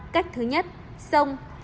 cách thứ nhất sông